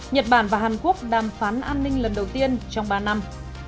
nhật bản và hàn quốc đàm phán an ninh lần đầu tiên trong ba năm